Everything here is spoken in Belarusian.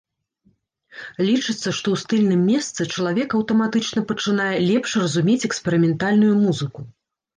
Лічыцца, што ў стыльным месцы чалавек аўтаматычна пачынае лепш разумець эксперыментальную музыку.